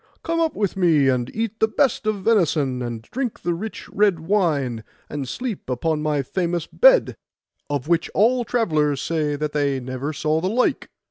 Come up with me, and eat the best of venison, and drink the rich red wine, and sleep upon my famous bed, of which all travellers say that they never saw the like.